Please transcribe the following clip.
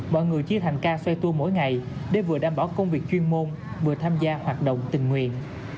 mọi người chia thành ca xoay tua mỗi ngày để vừa đảm bảo công việc chuyên môn vừa tham gia hoạt động tình nguyện